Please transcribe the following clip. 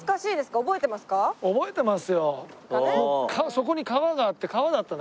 そこに川があって川だったんだ。